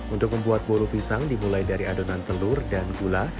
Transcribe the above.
untuk membuat boru pisang dimulai dari adonan telur dan gula